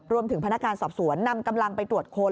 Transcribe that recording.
พนักการสอบสวนนำกำลังไปตรวจค้น